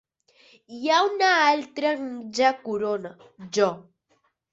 Hi ha una altra mitja corona, Jo.